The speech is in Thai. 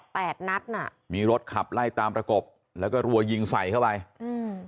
แปดนัดน่ะมีรถขับไล่ตามประกบแล้วก็รัวยิงใส่เข้าไปอืม